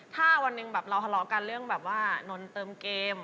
ถ้าวันนึงเราร้อกันเรื่องว่านนท์เติมเกม